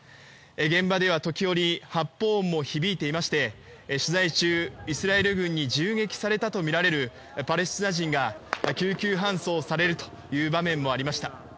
現場では時折発砲音も響いていまして取材中、イスラエル軍に銃撃されたとみられるパレスチナ人が救急搬送されるという場面もありました。